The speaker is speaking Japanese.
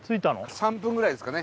３分ぐらいですかね